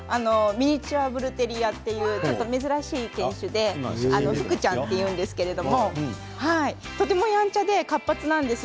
ミニチュアブルテリアというちょっと珍しい犬種で福ちゃんというんですけどとてもやんちゃで活発なんですよ。